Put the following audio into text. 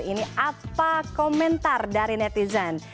ini apa komentar dari netizen